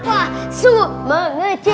kok duduk tadi gak ada